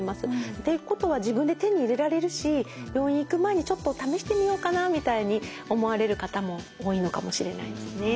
ってことは自分で手に入れられるし病院行く前にちょっと試してみようかなみたいに思われる方も多いのかもしれないですね。